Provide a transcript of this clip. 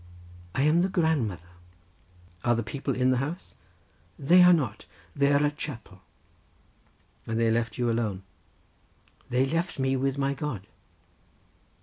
"I am the grandmother." "Are the people in the house?" "They are not—they are at the chapel." "And they left you alone?" "They left me with my God."